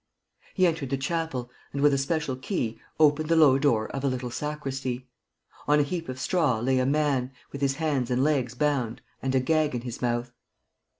He entered the chapel and, with a special key, opened the low door of a little sacristy. On a heap of straw, lay a man, with his hands and legs bound and a gag in his mouth.